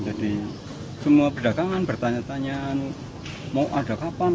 jadi semua pedagang bertanya tanya mau ada kapan